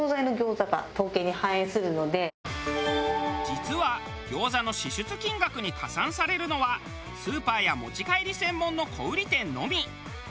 実は餃子の支出金額に加算されるのはスーパーや持ち帰り専門の小売店のみ。